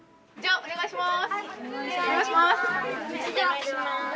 お願いします。